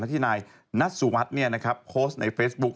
ที่นายนัทสุวัสดิ์โพสต์ในเฟซบุ๊ค